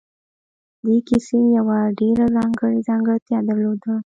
دې کیسې یوه ډېره ځانګړې ځانګړتیا درلوده